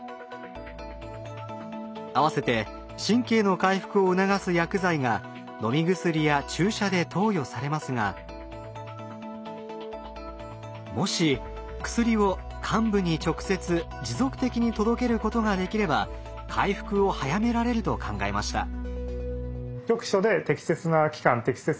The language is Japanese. あわせて神経の回復を促す薬剤が飲み薬や注射で投与されますがもし薬を患部に直接持続的に届けることができれば回復を早められると考えました。